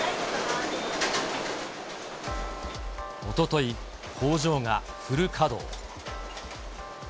おととい、工場がフル稼働。